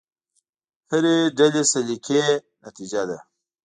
هرې ډلې سلیقې نتیجه ده.